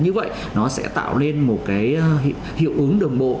như vậy nó sẽ tạo lên một cái hiệu ứng đồng bộ